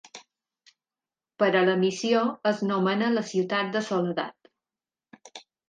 Per a la missió es nomena la ciutat de Soledad.